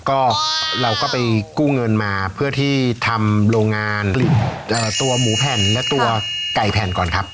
ก็เราก็ไปกู้เงินมาเพื่อที่ทำโรงงานตัวหมูแผ่นและตัวไก่แผ่นก่อนครับ